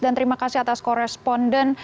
dan terima kasih atas koresponden